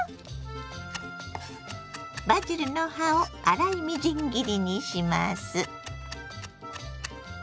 バジルの葉を粗いみじん切りにします。